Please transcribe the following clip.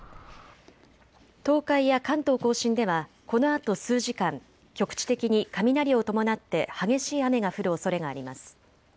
東海や関東甲信ではこのあと数時間、局地的に雷を伴って激しい雨が降るおそれがあります。